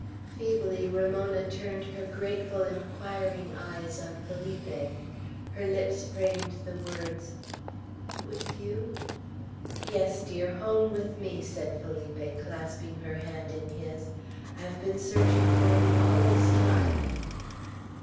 Feebly Ramona turned her grateful, inquiring eyes on Felipe. Her lips framed the words, "With you?" "Yes, dear, home with me," said Felipe, clasping her hand in his. "I have been searching for you all this time."